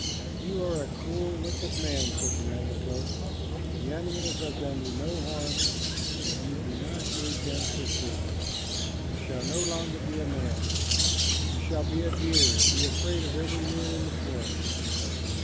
"You are a cruel, wicked man," said the manito. "The animals have done you no harm, and you do not need them for food. You shall no longer be a man. You shall be a deer, and be afraid of every man in the forest."